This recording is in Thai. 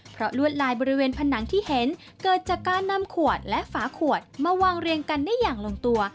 เพราะลวดลายบริเวณผนังที่เห็นเกิดจากการนำขวดและฝาขวดมาวางเรียงกันได้อย่างลงตัว